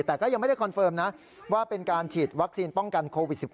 แต่ก็ยังไม่ได้คอนเฟิร์มนะว่าเป็นการฉีดวัคซีนป้องกันโควิด๑๙